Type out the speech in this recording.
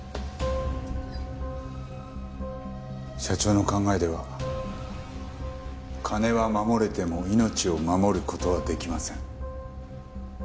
社長の考えでは金は守れても命を護る事はできません。